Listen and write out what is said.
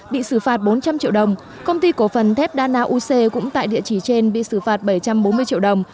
bị xử phạt bốn trăm linh triệu đồng công ty cổ phần thép đa nauc cũng tại địa chỉ trên bị xử phạt bảy trăm bốn mươi triệu đồng